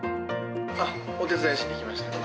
お手伝いしに来ました。